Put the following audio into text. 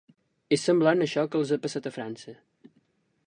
És semblant a això que els ha passat a França.